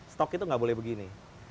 stok itu nggak boleh begini